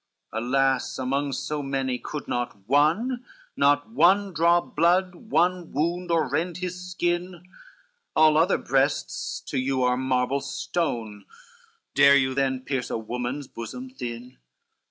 CXXIV Alas, among so many, could not one, Not one draw blood, one wound or rend his skin? All other breasts to you are marble stone, Dare you then pierce a woman's bosom thin?